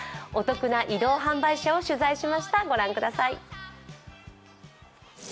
お得な移動販売車を取材しました。